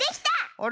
あれ？